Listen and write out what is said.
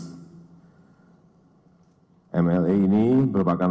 untuk menandatangani mutual legal assignment antara pemerintah swiss